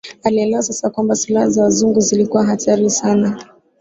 Alielewa sasa kwamba silaha za Wazungu zilikuwa hatari sana